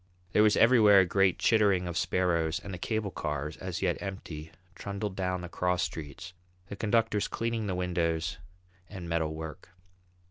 There was everywhere a great chittering of sparrows, and the cable cars, as yet empty, trundled down the cross streets, the conductors cleaning the windows and metal work.